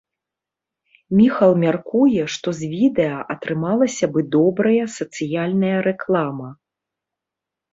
Міхал мяркуе, што з відэа атрымалася бы добрая сацыяльная рэклама.